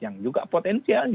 yang juga potensial